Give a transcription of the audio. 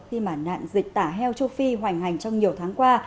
khi mà nạn dịch tả heo châu phi hoành hành trong nhiều tháng qua